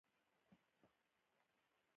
افغانستان له دغو ریګ دښتو ډک دی.